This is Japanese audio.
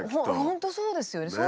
本当そうですよね。